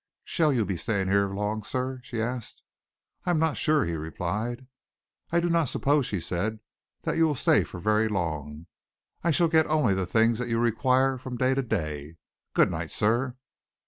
"Shall you be staying here long, sir?" she asked. "I am not sure," he replied. "I do not suppose," she said, "that you will stay for very long. I shall get only the things that you require from day to day. Good night, sir."